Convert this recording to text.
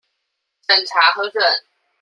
審查核准